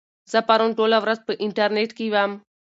زه پرون ټوله ورځ په انټرنيټ کې وم.